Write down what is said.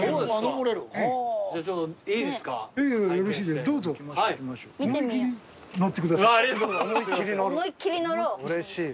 ・うれしい。